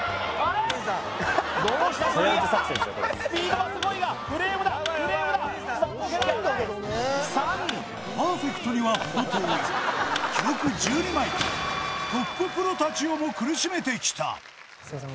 どうした杉谷スピードはすごいがフレームだフレームださあ抜けないパーフェクトには程遠い記録１２枚とトッププロたちをも苦しめてきたすいません